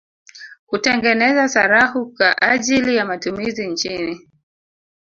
Kutengeneza sarafu kwa ajili ya matumizi nchini